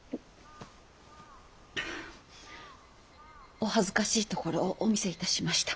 お恥ずかしいところをお見せいたしました。